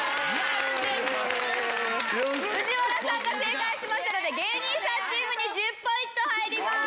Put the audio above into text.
藤原さんが正解しましたので芸人さんチームに１０ポイント入ります。